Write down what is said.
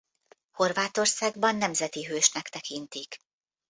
Horvátországban nemzeti hősnek tekintik.